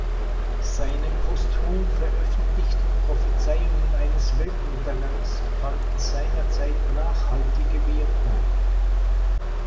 Seine posthum veröffentlichten Prophezeiungen eines Weltuntergangs fanden seinerzeit nachhaltige Wirkung.